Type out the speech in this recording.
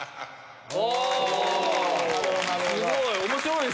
おすごい！